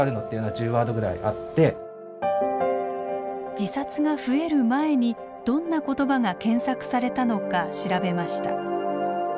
自殺が増える前にどんな言葉が検索されたのか調べました。